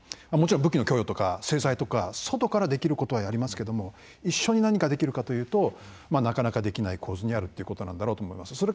もちろん武器の供与とか制裁とか外からできることはやりますけども一緒に何かできるかというとなかなかできない構図にあるっていうことなんだろうと思います。